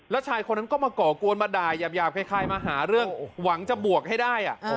แล้วชายคนนั้นก็มาก่อกวนมาด่ายาบคล้ายมาหาเรื่องหวังจะบวกให้ได้